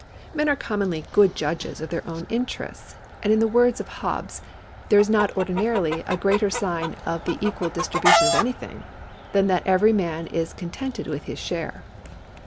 Men are commonly good judges of their own interests, and in the words of Hobbe.s " there is not ordinarily a greater sign of the equal distribution of anything, than that every man is contented with his share."